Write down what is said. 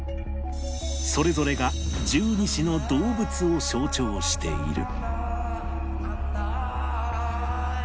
それぞれが十二支の動物を象徴している